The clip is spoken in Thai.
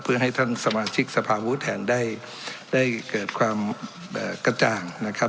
เพื่อให้ท่านสมาชิกสภาพุทธแทนได้เกิดความกระจ่างนะครับ